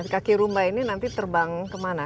kaki rumba ini nanti terbang kemana